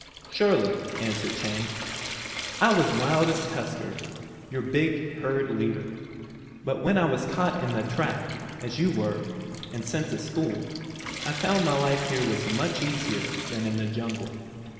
"Surely," answered Chang, "I was as wild as Tusker, your big herd leader. But when I was caught in the trap, as you were, and sent to school, I found the life here was much easier than in the jungle.